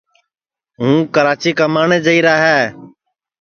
ہوں کراچی کُماٹؔے جائیرا ہے